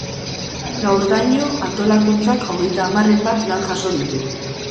Gaurdaino antolakuntzak hogeita hamarren bat lan jaso ditu.